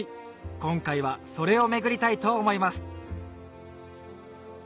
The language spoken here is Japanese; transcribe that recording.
今回はそれを巡りたいと思います